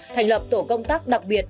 thành lập tổ công tác đặc biệt